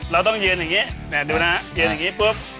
เราต้องยืนอย่างนี้ดูนะยืนอย่างนี้ปุ๊บ